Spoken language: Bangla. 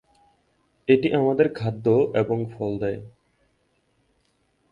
এটি আমাদের খাদ্য এবং ফল দেয়।